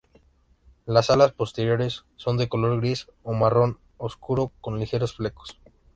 Las alas posteriores son de color gris o marrón oscuro con ligeros flecos.